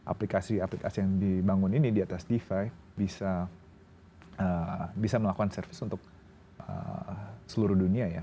karena aplikasi aplikasi yang dibangun ini di atas defi bisa melakukan service untuk seluruh dunia ya